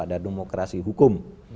ada demokrasi hukum